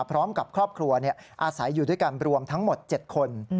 พร้อมกับครอบครัวอาศัยอยู่ด้วยกันรวมทั้งหมด๗คน